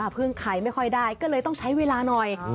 พึ่งขายไม่ค่อยได้ก็เลยต้องใช้เวลาหน่อย